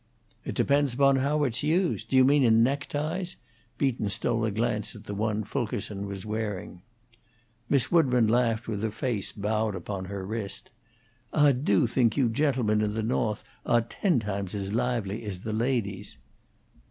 "It depends upon how it's used. Do you mean in neckties?" Beaton stole a glance at the one Fulkerson was wearing. Miss Woodburn laughed with her face bowed upon her wrist. "Ah do think you gentlemen in the No'th awe ten tahms as lahvely as the ladies."